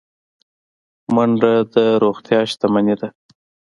منډه د روغتیا شتمني ده